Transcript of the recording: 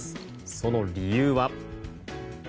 その理由は。